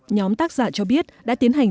nhóm tác giả cho biết đã tiến hành